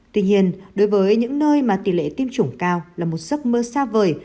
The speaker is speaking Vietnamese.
tuy nhiên đối với những nơi mà tỷ lệ tiêm chủng cao là một giấc mơ xa vời